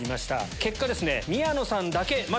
結果ですね。